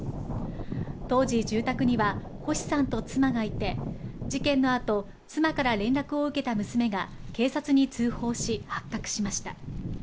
当時、住宅には星さんと妻がいて、事件のあと、妻から連絡を受けた娘が警察に通報し、発覚しました。